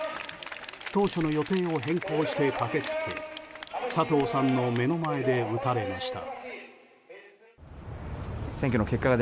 当初の予定を変更して駆けつけ佐藤さんの目の前で撃たれました。